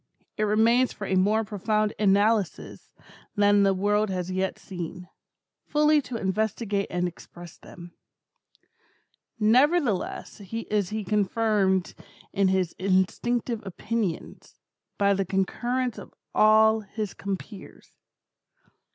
It remains for a more profound analysis than the world has yet seen, fully to investigate and express them. Nevertheless is he confirmed in his instinctive opinions, by the concurrence of all his compeers.